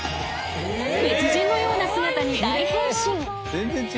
［別人のような姿に大変身］